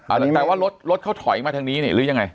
แต่ว่ารถรถเขาถอยมาทางนี้เนี่ยหรือยังไง